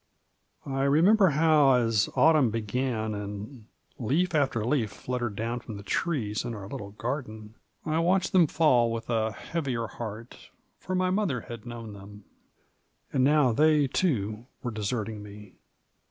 I remember how, as autumn began, and leaf after leaf fluttered down from the trees in our little garden, I watched them fall with a heavier heart, for my mother had known them, and now they, too, were deserting me.